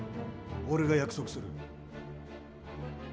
俺が約束する。